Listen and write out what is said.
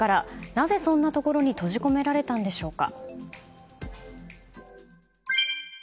なぜ、そんなところに閉じ込められたんでしょうか。